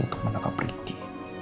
untuk menangkap ricky